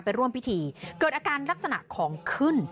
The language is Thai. ร่วมพิธีเกิดอาการลักษณะของขึ้น